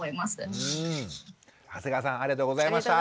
長谷川さんありがとうございました。